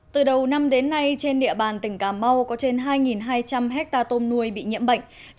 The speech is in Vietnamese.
từ đầu năm đến nay trên địa bàn tỉnh cà mau có trên hai hai trăm linh hectare tôm nuôi bị nhiễm bệnh